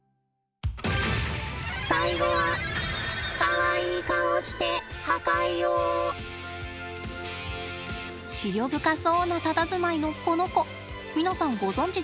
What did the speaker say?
最後はかわいい顔して思慮深そうなたたずまいのこの子皆さんご存じですか？